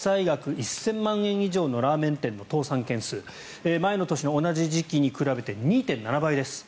１０００万円以上のラーメン店の倒産件数前の年の同じ時期に比べて２．７倍です。